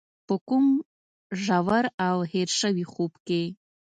په کوم ژور او هېر شوي خوب کې.